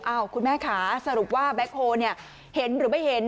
อ้าวคุณแม่ขาสรุปว่าแบคโฮเนี่ยเห็นหรือไม่เห็น